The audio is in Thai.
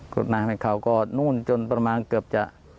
ดน้ำให้เขาก็นู่นจนประมาณเกือบจะ